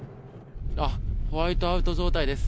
ホワイトアウト状態です。